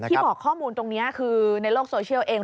บอกข้อมูลตรงนี้คือในโลกโซเชียลเอง